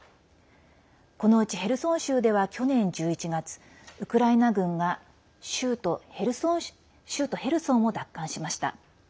このうち、ヘルソン州では去年１１月ウクライナ軍が州都ヘルソンを奪還しました。